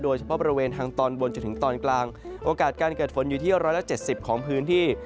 โดยเฉพาะบริเวณทางตอนบนจนถึงตอนกลางโอกาสการเกิดฝนอยู่ที่๑๗๐ของพื้นที่